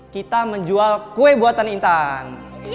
kita menjual kue buatan intan